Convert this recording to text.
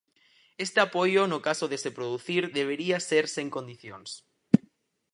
Este apoio, no caso de se producir, debería ser sen condicións.